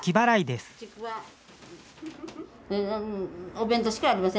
お弁当しかありません。